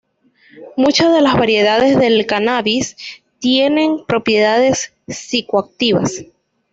Muchas de las variedades del cannabis tienen propiedades psicoactivas.